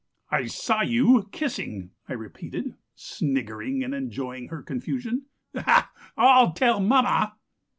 "'I saw you ... kissing ...' I repeated, sniggering and enjoying her confusion. 'Aha! I'll tell mamma!'